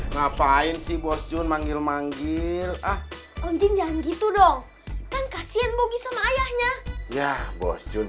ngapain sih bos jun manggil manggil ah anjing jangan gitu dong kan kasian bogi sama ayahnya ya bos jun